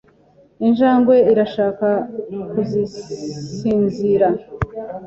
Injangwe irashaka gusinzira .